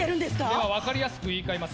「では分かりやすく言い換えます」